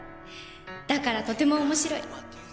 「だからとても面白い！」